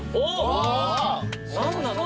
何なの？